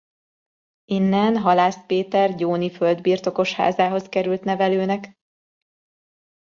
Innen Halász Péter gyóni földbirtokos házához került nevelőnek.